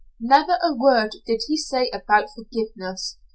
Never a word did he say about forgiveness.